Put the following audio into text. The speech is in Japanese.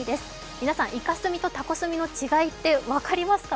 皆さん、イカ墨とタコ墨の違いって分かりますか？